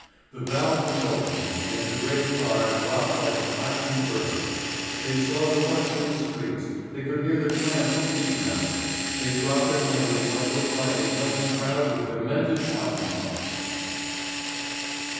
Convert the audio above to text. The valve was opened and the great car dropped like a flashing bird. They saw the rush in the streets, they could hear the tramp of feet now. They dropped at length in what looked like a yelling crowd of demented Hottentots.